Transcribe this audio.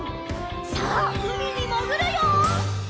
さあうみにもぐるよ！